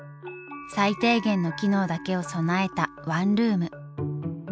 最低限の機能だけを備えたワンルーム。